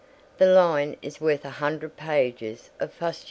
The line is worth a hundred pages of fustian.